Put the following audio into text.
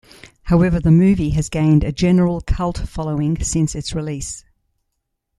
However, the movie has gained a general Cult following since its release.